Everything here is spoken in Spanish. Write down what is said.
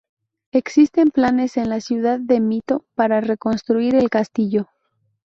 Existen planes en la ciudad de Mito, para reconstruir el castillo.